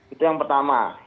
itu yang pertama